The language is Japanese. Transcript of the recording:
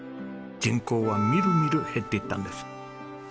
人口はみるみる減っていったんです。